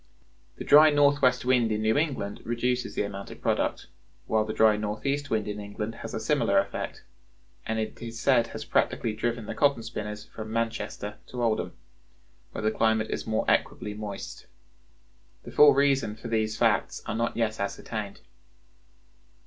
The dry northwest wind in New England reduces the amount of product, while the dry northeast wind in England has a similar effect, and it is said has practically driven the cotton spinners from Manchester to Oldham, where the climate is more equably moist. The full reasons for these facts are not yet ascertained.